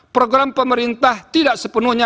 program pemerintah tidak sepenuhnya